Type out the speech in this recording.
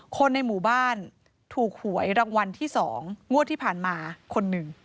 คนในหมู่บ้านถูกหวยรางวัลที่๒งวดที่ผ่านมาคนหนึ่ง